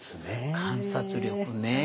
観察力ね。